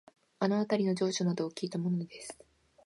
あのあたりの情緒などをきいたものです